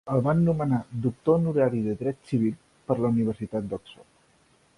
El van nomenar Doctor honorari de dret civil per la Universitat d'Oxford.